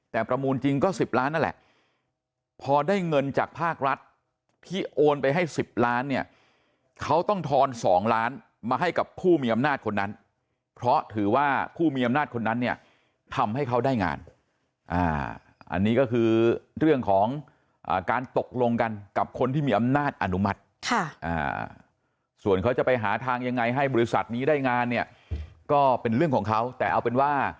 แต่ประมูลจริงก็๑๐ล้านนั่นแหละพอได้เงินจากภาครัฐที่โอนไปให้๑๐ล้านเนี่ยเขาต้องทอน๒ล้านมาให้กับผู้มีอำนาจคนนั้นเพราะถือว่าผู้มีอำนาจคนนั้นเนี่ยทำให้เขาได้งานอันนี้ก็คือเรื่องของการตกลงกันกับคนที่มีอำนาจอนุมัติส่วนเขาจะไปหาทางยังไงให้บริษัทนี้ได้งานเนี่ยก็เป็นเรื่องของเขาแต่เอาเป็นว่า